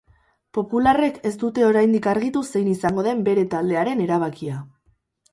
Popularrek ez dute oraindik argitu zein izango den bere taldearen erabakia.